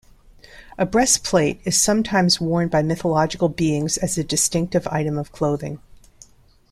A breastplate is sometimes worn by mythological beings as a distinctive item of clothing.